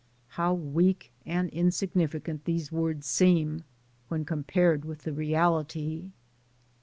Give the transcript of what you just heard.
How weak and insignificant these words seem when compared with the reality.